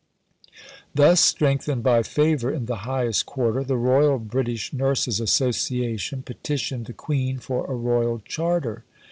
Thus strengthened by favour in the highest quarter, the Royal British Nurses Association petitioned the Queen for a Royal Charter.